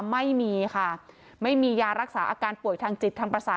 ไม่มีค่ะไม่มียารักษาอาการป่วยทางจิตทางประสาท